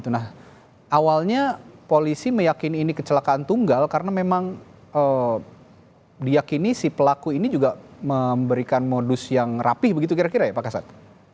nah awalnya polisi meyakini ini kecelakaan tunggal karena memang diakini si pelaku ini juga memberikan modus yang rapih begitu kira kira ya pak kasat